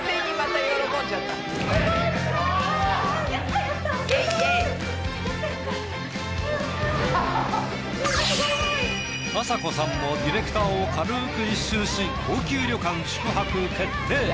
やったやった。あさこさんもディレクターを軽く一蹴し高級旅館宿泊決定！